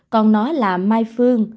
con nó là mai phương